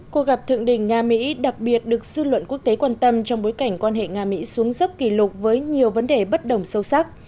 cuộc gặp thượng đỉnh nga mỹ đặc biệt được dư luận quốc tế quan tâm trong bối cảnh quan hệ nga mỹ xuống dấp kỷ lục với nhiều vấn đề bất đồng sâu sắc